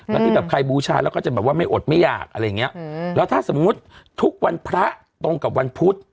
แล้วที่แบบใครบูชาแล้วก็จะแบบว่าไม่อดไม่อยากอะไรอย่างเงี้ยแล้วถ้าสมมุติทุกวันพระตรงกับวันพุธ